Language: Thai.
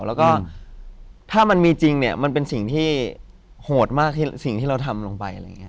แล้วก็ถ้ามันมีจริงเนี่ยมันเป็นสิ่งที่โหดมากสิ่งที่เราทำลงไปอะไรอย่างนี้